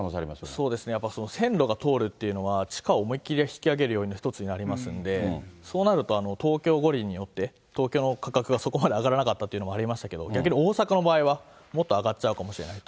そうですね、やっぱり線路が通るっていうのは、地価を思いっきり上げる要因の一つになりますので、そうなると、東京五輪によって、東京の価格がそこまで上がらなかったということもありましたけれども、逆に大阪の場合は、もっと上がっちゃうかもしれないと。